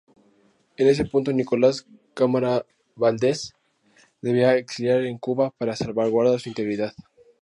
En ese punto Nicolás Cámara Vales debió exiliarse en Cuba para salvaguardar su integridad.